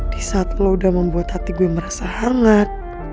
di saat lo udah membuat hati gue merasa hangat